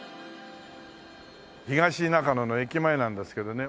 東中野の駅前なんですけどね